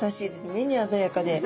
目に鮮やかで。